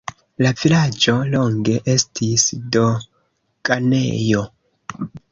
La vilaĝo longe estis doganejo.